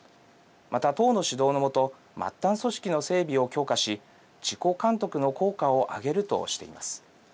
また、党の指導の下末端組織の整備を強化し自己監督の効果を上げるとしています。